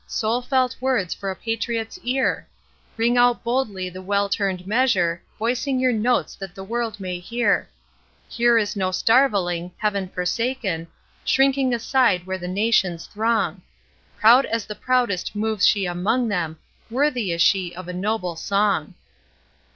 Soul felt words for a patriot's ear! Ring out boldly the well turned measure, Voicing your notes that the world may hear; Here is no starveling Heaven forsaken Shrinking aside where the Nations throng; Proud as the proudest moves she among them Worthy is she of a noble song!